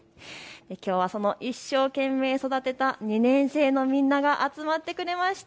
きょうはその一生懸命育てた２年生のみんなが集まってくれました。